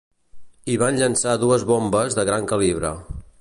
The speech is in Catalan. Hi van llençar dues bombes de gran calibre.